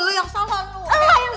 lo yang salah